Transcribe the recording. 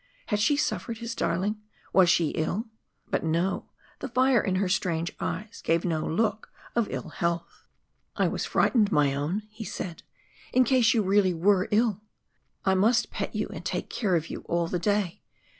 Had she suffered, his darling was she ill? But no, the fire in her strange eyes gave no look of ill health. "I was frightened, my own," he said, "in case you were really not well. I must pet and take care of you all the day.